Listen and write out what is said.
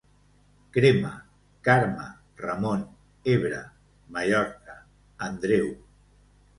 Crema: Carme, Ramon, Ebre, Mallorca, Andreu.